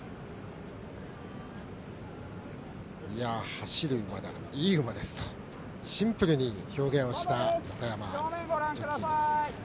「走る馬だ、いい馬です」とシンプルに表現をした横山武史ジョッキーです。